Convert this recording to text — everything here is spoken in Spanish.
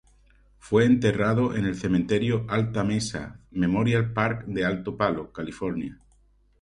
Fue enterrado en el Cementerio Alta Mesa Memorial Park de Palo Alto, California.